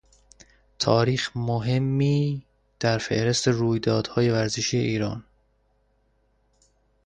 تاریخ مهمی در فهرست رویدادهای ورزشی ایران